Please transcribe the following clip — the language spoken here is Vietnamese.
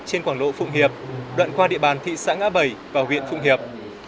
trên quảng lộ phụng hiệp đoạn qua địa bàn thị xã ngã bảy và huyện phụng hiệp